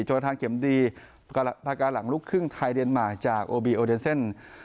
ประธานเข็มดีปากาหลังลูกครึ่งไทยเดนมาร์จากโอบีโอเดเซ่น